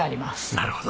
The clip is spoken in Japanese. なるほど。